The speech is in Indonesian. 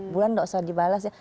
bulan nggak usah dibalas ya